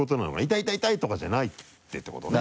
痛い痛いとかじゃないってことね。